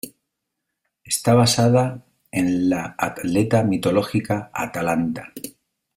Está basada en la atleta mitológica Atalanta.